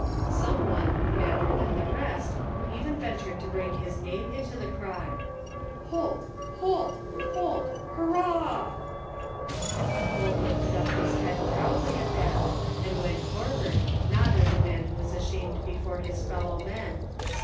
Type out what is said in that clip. Someone, madder than the rest, even ventured to bring his name into the cry :" Holt! Holt! Holt! Hurrah!'' 230 THE FINDING OF JASPEE HOLT Holt lifted up his head proudly at that and went forward, not as a man goes who is ashamed before his fellow men.